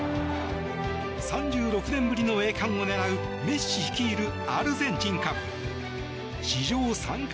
３６年ぶりの栄冠を狙うメッシ率いるアルゼンチンか？